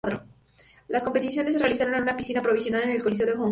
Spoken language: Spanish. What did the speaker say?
Las competiciones se realizaron en una piscina provisional en el Coliseo de Hong Kong.